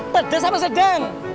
pedas sama sedang